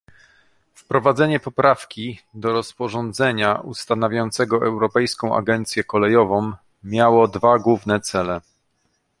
Wprowadzenie poprawki do rozporządzenia ustanawiającego Europejską Agencję Kolejową miało dwa główne cele